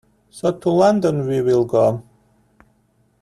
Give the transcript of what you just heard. So to London we will go.